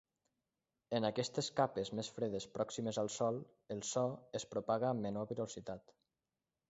En aquestes capes més fredes pròximes al sòl, el so es propaga amb menor velocitat.